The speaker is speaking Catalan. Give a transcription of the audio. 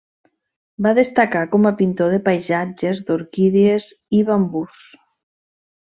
Va destacar com a pintor de paisatges, d'orquídies i bambús.